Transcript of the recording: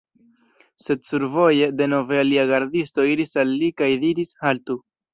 Sed survoje, denove alia gardisto iris al li kaj diris: "Haltu